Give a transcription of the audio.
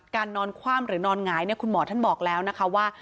นอนคว่ำหรือนอนหงายคุณหมอท่านบอกแล้วนะคะว่า